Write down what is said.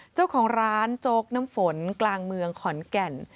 เจ้าของร้านโจ๊กน้ำฝนกลางเมืองขอนแก่น